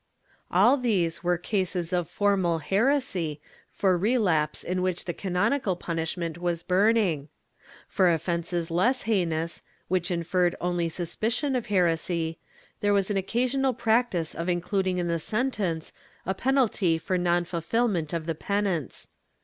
^ All these were cases of formal heresy, for relapse in which the canonical punishment was burning. For offences less heinous, which inferred only suspicion of heresy, there was an occasional practice of including in the sentence a penalty for non fulfilment of the penance.